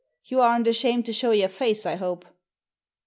"You aren't ashamed to show your face, I hope?"